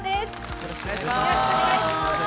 よろしくお願いします。